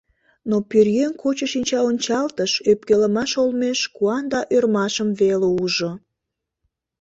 Но пӧръеҥ кочо шинчаончалтыш, ӧпкелымаш олмеш куан да ӧрмашым веле ужо.